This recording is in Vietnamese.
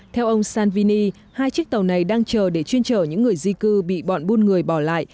theo ông salvini hai chiếc tàu này đang chờ để chuyên trở những người di cư bị bọn buôn người bỏ lại